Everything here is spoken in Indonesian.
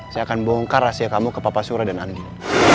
saya akan bongkar rahasia kamu ke papa sura dan andin